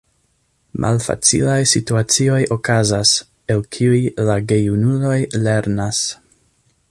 Malfacilaj situacioj okazas, el kiuj la gejunuloj lernas.